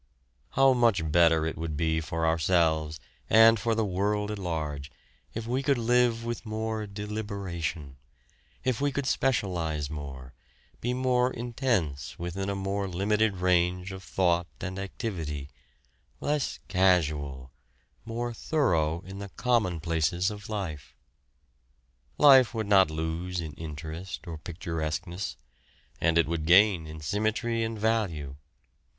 How much better it would be for ourselves and for the world at large if we could live with more deliberation, if we could specialise more, be more intense within a more limited range of thought and activity, less casual, more thorough in the commonplaces of life. Life would not lose in interest or picturesqueness, and it would gain in symmetry and value.